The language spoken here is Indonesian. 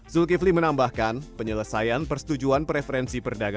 zulkifli menambahkan penyelesaian persetujuan preferensi perdagangan